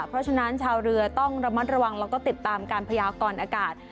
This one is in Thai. เพราะฉะนั้นชาวเรือต้องระมัดระวังแล้วก็ติดตามการพยากรอากาศ